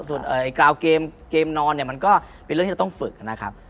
ส่วนกราวเกมนอนเนี่ยมันก็เป็นเรื่องที่จะต้องฝึกนะครับ